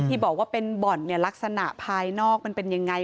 ที่บอกว่าเป็นบ่อนเนี่ยลักษณะภายนอกมันเป็นยังไง